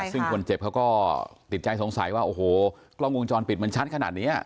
ซึ่งคนเจ็บเขาก็ติดใจสงสัยว่าโอ้โหกล้องวงจรปิดมันชัดขนาดนี้